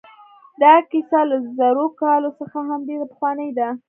دا کیسه له زرو کالو څخه هم ډېره پخوانۍ ده.